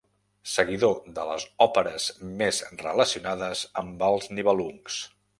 Seguidor de les òperes més relacionades amb els Nibelungs.